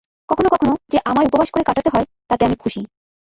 কখনও কখনও যে আমায় উপবাস করে কাটাতে হয়, তাতে আমি খুশী।